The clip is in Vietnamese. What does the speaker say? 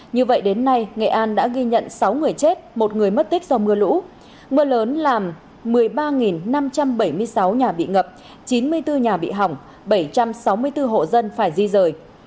như vậy đến nay nghệ an đã ghi nhận sáu người chết một người mất tích do mưa lũ mưa lớn làm một mươi ba năm trăm bảy mươi sáu nhà bị ngập chín mươi bốn nhà bị hỏng bảy trăm sáu mươi bốn hộ dân phải di rời